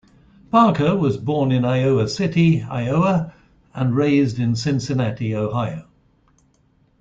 Parker was born in Iowa City, Iowa and raised in Cincinnati, Ohio.